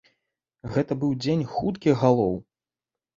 Гэта быў дзень хуткіх галоў.